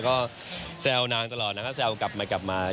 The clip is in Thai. ก็แซวสำบัจะเล่นหลากันแบบนี้เยอะแบบนี้